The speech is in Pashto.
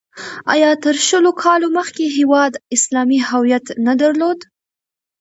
آیا تر شلو کالو مخکې هېواد اسلامي هویت نه درلود؟